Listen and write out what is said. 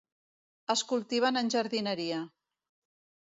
Es cultiven en jardineria.